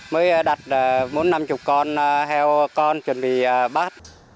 mới đặt bốn mươi năm mươi con heo con chuẩn bị bắt